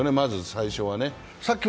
最初はね。